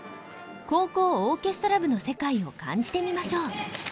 高校オーケストラ部の世界を感じてみましょう。